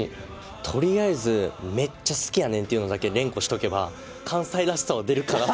とりあえずめっちゃ好きやねんっていうのを連呼しとけば、関西らしさは出るかなと。